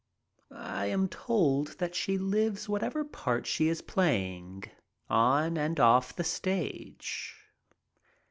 I am told that she lives whatever part She is playing, on and off the stage.